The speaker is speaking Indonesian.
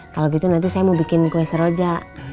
kalau gitu nanti saya mau bikin kue seroja